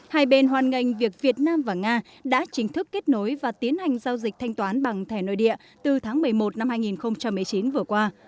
hai bên hoàn ngành việc việt nam và nga đã chính thức kết nối và tiến hành giao dịch thanh toán bằng thẻ nội địa từ tháng một mươi một năm hai nghìn một mươi chín vừa qua